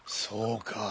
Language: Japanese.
そうか。